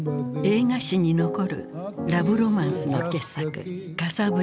映画史に残るラブロマンスの傑作